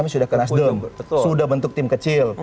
kami sudah ke nasdem sudah bentuk tim kecil